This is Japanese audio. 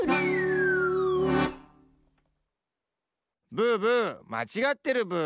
ブーブーまちがってるブー。